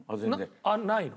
あっないの？